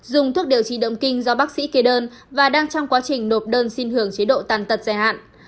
dùng thuốc điều trị động kinh do bác sĩ kê đơn và đang trong quá trình nộp đơn xin hưởng chế độ tàn tật dài hạn